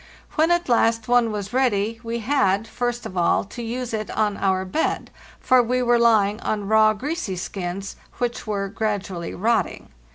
When at last one was ready we had, first of all, to use it on our bed, for we were lying on raw, greasy skins, which were gradually rotting.